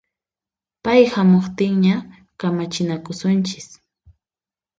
Pay hamuqtinña kamachinakusunchis